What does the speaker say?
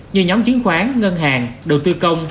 như nhóm chiến khoán ngân hàng đầu tư công